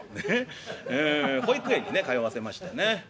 保育園にね通わせましてねうん。